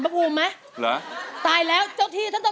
ร้องได้ให้ร้าน